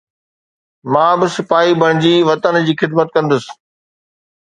مان به سپاهي بڻجي وطن جي خدمت ڪندس